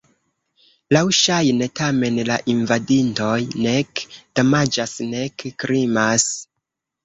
Laŭŝajne, tamen, la invadintoj nek damaĝas nek krimas.